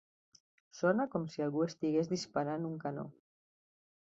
Sona com si algú estigués disparant un canó.